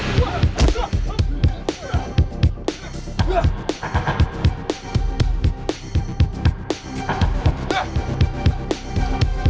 jangan jangan tukang beka